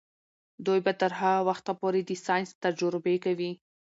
دوی به تر هغه وخته پورې د ساینس تجربې کوي.